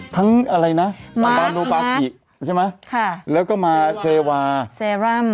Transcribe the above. ทั้งอะไรนะมาร์คแล้วก็มาเซวาเซรั่ม